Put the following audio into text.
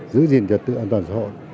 giữ gìn trật tự an toàn xã hội